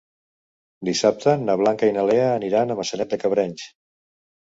Dissabte na Blanca i na Lea aniran a Maçanet de Cabrenys.